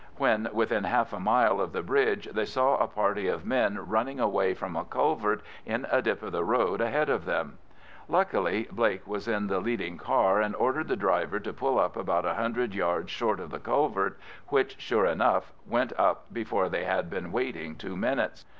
When within half a mile of the bridge, they saw a party of men running away from a culvert in a dip of the road ahead of them. Luckily, Blake was in the leading car, and ordered the driver to pull up about a hundred yards short of the culvert, which, sure enough, went up before they had been waiting two minutes.